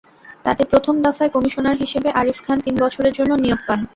তাতে প্রথম দফায় কমিশনার হিসেবে আরিফ খান তিন বছরের জন্য নিয়োগ পান।